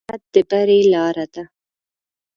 زحمت د بری لاره ده.